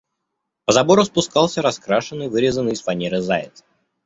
По забору спускался раскрашенный, вырезанный из фанеры заяц.